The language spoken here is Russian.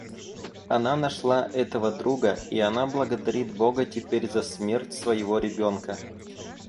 Она нашла этого друга, и она благодарит Бога теперь за смерть своего ребенка.